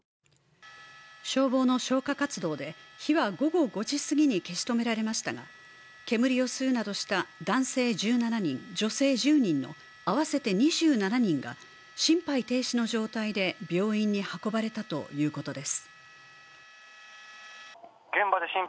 消防の消火活動で火は午後５時過ぎに消し止められましたが、煙を吸うなどした男性１７人、女性１０人の合わせて２７人が心肺停止の状態で病院に運ばれたということです。